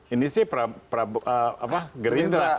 ini sih gerindra